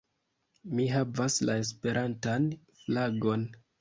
Mi havas la Esperantan flagon!